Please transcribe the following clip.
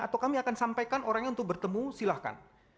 atau kami akan sampaikan orangnya untuk bertemu silahkan